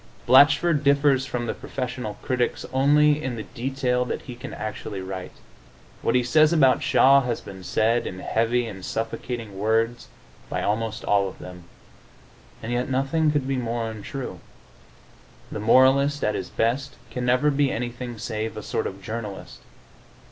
Blatchford differs from the professorial critics only in the detail that he can actually write. What he says about Shaw has been said, in heavy and suffocating words, by almost all of them. And yet nothing could be more untrue. The moralist, at his best, can never be anything save a sort of journalist.